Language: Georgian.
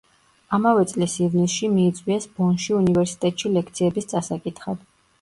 ამავე წლის ივნისში მიიწვიეს ბონში უნივერსიტეტში ლექციების წასაკითხად.